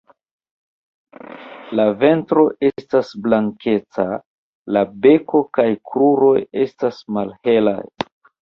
La ventro estas blankeca, la beko kaj kruroj estas malhelaj.